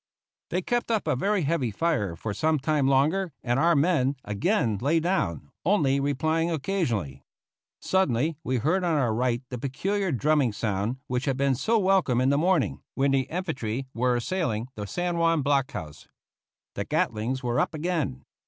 They kept up a very heavy fire for some time longer, and our men again lay down, only replying occasionally. Suddenly we heard on our right the peculiar drumming sound which had been so welcome in the morning, when the infantry were assailing the San Juan block house. The Gatlings were up again!